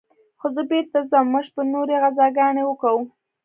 خو زه بېرته ځم موږ به نورې غزاګانې وكو.